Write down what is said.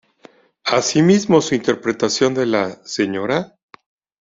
Asimismo, su interpretación de la "Sra.